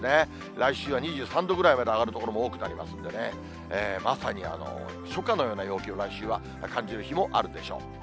来週は２３度ぐらいまで上がる所も多くなりますんでね、まさに初夏のような陽気を来週は感じる日もあるでしょう。